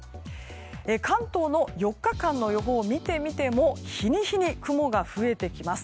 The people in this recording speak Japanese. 関東の４日間の予報を見てみても日に日に雲が増えてきます。